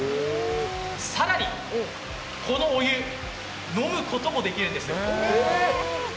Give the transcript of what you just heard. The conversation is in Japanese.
更に、このお湯、飲むこともできるんです。